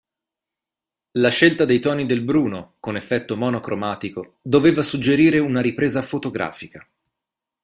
La scelta dei toni del bruno, con effetto monocromatico, doveva suggerire una ripresa fotografica.